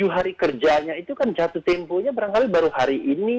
tujuh hari kerjanya itu kan jatuh temponya barangkali baru hari ini